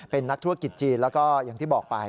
เป็นนักธุรกิจจีนแล้วก็อย่างที่บอกไป